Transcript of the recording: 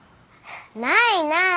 ないない！